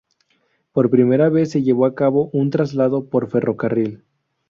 Por primera vez se llevó a cabo un traslado por ferrocarril.